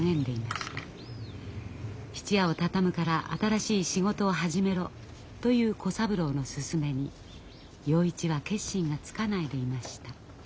質屋を畳むから新しい仕事を始めろという小三郎の勧めに洋一は決心がつかないでいました。